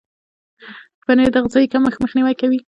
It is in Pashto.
پنېر د غذایي کمښت مخنیوی کوي.